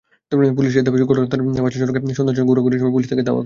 পুলিশের দাবি, ঘটনাস্থলের পাশের সড়কে সন্দেহজনকভাবে ঘোরাঘুরির সময় পুলিশ তাকে ধাওয়া করে।